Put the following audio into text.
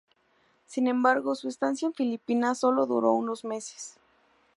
Sin embargo su estancia en Filipinas solo duró unos meses.